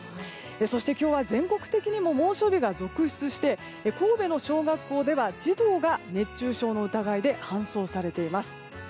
そして、今日は全国的に猛暑日が続出して神戸の小学校では児童が熱中症の疑いで搬送されています。